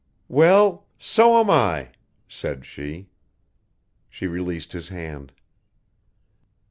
"Well, so am I," said she. She released his hand.